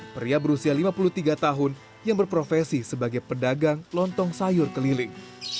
pria berusia lima puluh tiga tahun yang berprofesi sebagai pedagang lontong sayur keliling